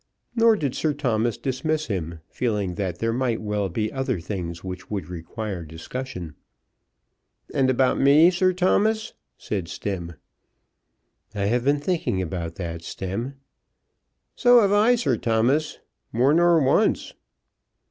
Nor did Sir Thomas dismiss him, feeling that there might well be other things which would require discussion. "And about me, Sir Thomas?" said Stemm. "I have been thinking about that, Stemm." "So have I, Sir Thomas, more nor once."